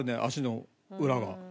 足の裏が。